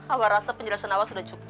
awal rasa penjelasan awal sudah cukup